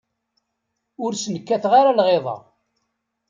Ur sen-kkateɣ ara lɣiḍa.